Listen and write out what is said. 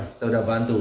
kita sudah bantu